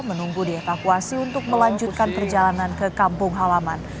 menunggu dievakuasi untuk melanjutkan perjalanan ke kampung halaman